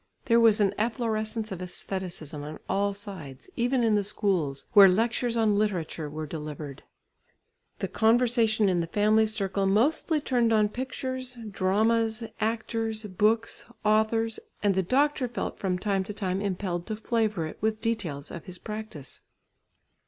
There was an efflorescence of æstheticism on all sides, even in the schools, where lectures on literature were delivered. The conversation in the family circle mostly turned on pictures, dramas, actors, books, authors, and the doctor felt from time to time impelled to flavour it with details of his practice.